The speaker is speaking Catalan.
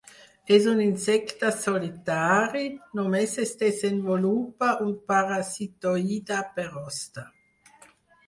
És un insecte solitari, només es desenvolupa un parasitoide per hoste.